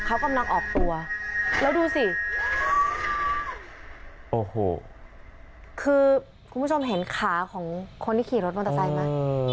เขากำลังออกตัวแล้วดูสิโอ้โหคือคุณผู้ชมเห็นขาของคนที่ขี่รถมอเตอร์ไซค์ไหม